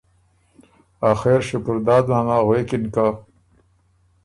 آخر شکرداد ماما غوېکِن که